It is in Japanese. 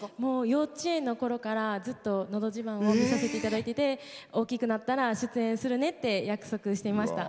幼稚園のころからずっと「のど自慢」を見させていただいてて大きくなったら出演するねって約束していました。